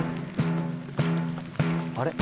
あれ？